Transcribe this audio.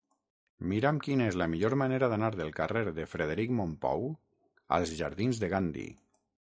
Mira'm quina és la millor manera d'anar del carrer de Frederic Mompou als jardins de Gandhi.